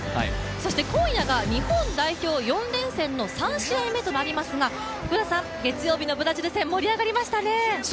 そして、今夜が日本代表４連戦の３試合目となりますが福田さん月曜日のブラジル戦盛り上がりましたね。